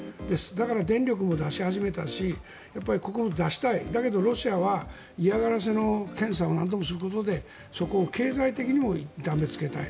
だから、電力も出し始めたしここを脱したい、だけどロシアは嫌がらせの検査を何度もすることでそこを経済的にも痛めつけたい。